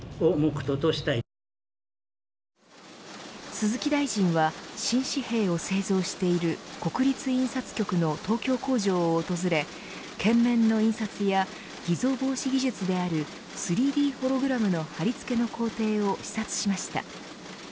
鈴木大臣は新紙幣を製造している国立印刷局の東京工場を訪れ券面の印刷や偽造防止技術である３Ｄホログラムの貼り付けの工程を視察しました。